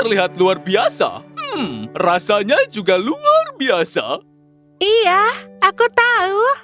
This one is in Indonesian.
iya aku tahu